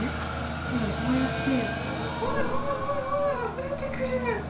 ほら、こうやって、ほらほら、ほらほら、あふれてくる！